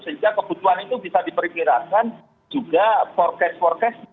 sehingga kebutuhan itu bisa diperkirakan juga forecast forecast